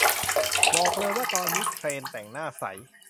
บอกเลยว่าตอนนี้เทรนด์แต่งหน้าใส